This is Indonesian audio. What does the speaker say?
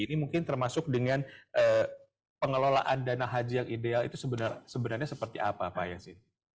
ini mungkin termasuk dengan pengelolaan dana haji yang ideal itu sebenarnya seperti apa pak yasin